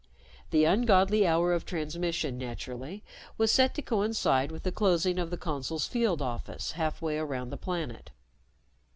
The ungodly hour of transmission, naturally, was set to coincide with the closing of the Consul's field office halfway around the planet.